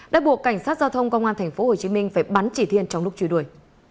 đã buộc cảnh sát giao thông công an tp hồ chí minh phải bắn chỉ thiên trong lúc trùi đuổi